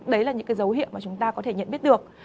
đấy là những cái dấu hiệu mà chúng ta có thể nhận biết được